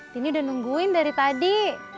tini udah nungguin dari tadi